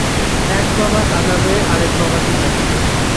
এক বাবা কাঁদাবে, আরেক বাবা গিলাবে!